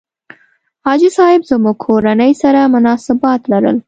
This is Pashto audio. حاجي صاحب زموږ کورنۍ سره مناسبات لرل.